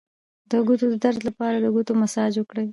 د ګوتو د درد لپاره د ګوتو مساج وکړئ